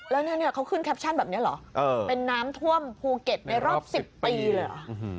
แล้วเนี่ยเขาขึ้นแคปชั่นแบบนี้เหรอเป็นน้ำท่วมภูเก็ตในรอบ๑๐ปีเลยเหรอ